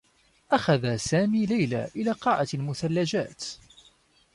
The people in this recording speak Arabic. أخذ سامي ليلى إلى قاعة مثلّجات.